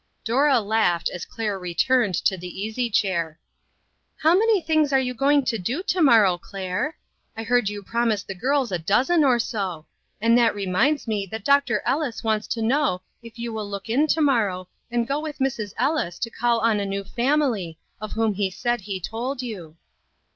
Dora laughed, as Claire returned to the easy chair. " How many things you are going to do to morrow, Claire? I heard you promise the girls a dozen or so. And that reminds me that Doctor Ellis wants to know if you will look in to morrow, and go with Mrs. Ellis to call on a new family, of whom he said he told you."